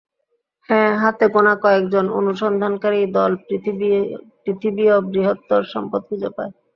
হ্যাঁ, হাতে গোণা কয়েকজন অনুসন্ধানকারী দল, পৃথিবীয় বৃহত্তর সম্পদ খুঁজে পায়।